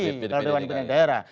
kalau dewan pimpinan daerah